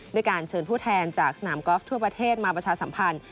ด้วยการเชิญผู้แทนจากสนามกอล์ฟทั่วประเทศมาประชาสัมพันธ์